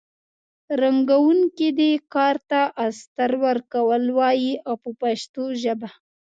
رنګوونکي دې کار ته استر ورکول وایي په پښتو ژبه.